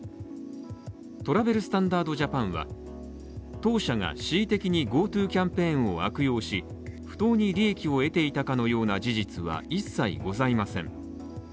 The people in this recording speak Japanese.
トラベル・スタンダード・ジャパンは、当社が恣意的にＧｏＴｏキャンペーンを悪用し、不当に利益を得ていたかのような事実は一切ございません。